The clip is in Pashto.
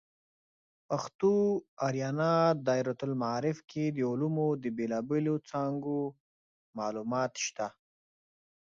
پښتو آریانا دایرة المعارف کې د علومو د بیلابیلو څانګو معلومات شته.